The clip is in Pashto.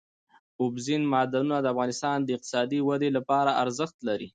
اوبزین معدنونه د افغانستان د اقتصادي ودې لپاره ارزښت لري.